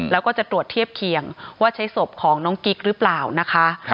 แล้วก็จะตรวจเทียบเคียงว่าใช้ศพของน้องกิ๊กหรือเปล่านะคะ